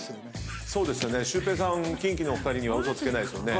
シュウペイさんキンキのお二人には嘘つけないですよね。